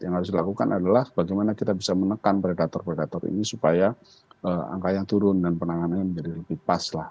yang harus dilakukan adalah bagaimana kita bisa menekan predator predator ini supaya angka yang turun dan penanganannya menjadi lebih pas lah